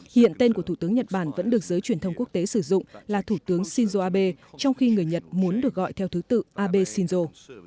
hiện tên của thủ tướng nhật bản vẫn được giới truyền thông quốc tế sử dụng là thủ tướng shinzo abe trong khi người nhật muốn được gọi theo thứ tự abe shinzo